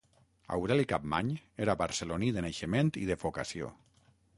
Aureli Capmany era barceloní de naixement i de vocació.